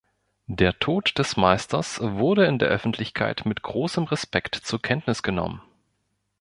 Der Tod des Meisters wurde in der Öffentlichkeit mit großem Respekt zur Kenntnis genommen.